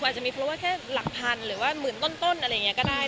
คือว่าขอให้คุณเป็นตัวจริงคุณอาจจะมีเพราะว่าแค่หลักพันหรือว่าหมื่นต้นอะไรอย่างนี้ก็ได้